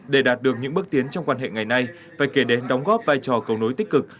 để đạt được những bước tiến trong quan hệ ngày nay phải kể đến đóng góp vai trò cầu nối tích cực